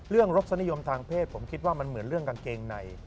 รสนิยมทางเพศผมคิดว่ามันเหมือนเรื่องกางเกงใน